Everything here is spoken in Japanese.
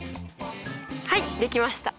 はいできました。